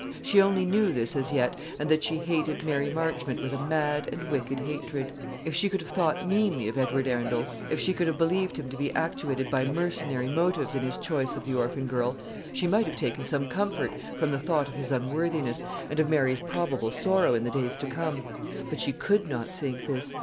She only knew this as yet, and that she hated Mary Marchmont with a mad and wicked hatred. If she could have thought meanly of Edward Arundel, if she could have believed him to be actuated by mercenary motives in his choice of the orphan girl, she might have taken some comfort from the thought of his unworthiness, and of Mary's probable sorrow in the days to come. But she could not think this.